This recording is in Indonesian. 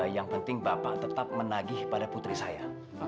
yang penting bapak tetap menagih pada putri saya